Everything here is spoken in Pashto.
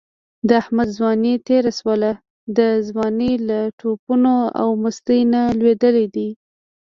د احمد ځواني تېره شوله، د ځوانۍ له ټوپونو او مستۍ نه لوېدلی دی.